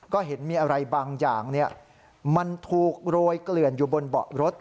ก็เห็นมีอะไรบางอย่างมันถูกโรยเกลื่อนอยู่บนเบาะรถ